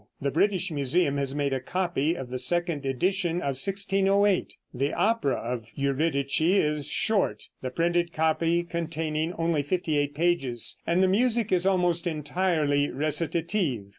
The British Museum has a copy of the second edition of 1608. The opera of "Eurydice" is short, the printed copy containing only fifty eight pages, and the music is almost entirely recitative.